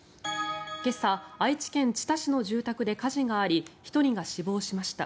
今朝、愛知県知多市の住宅で火事があり１人が死亡しました。